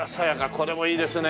これもいいですね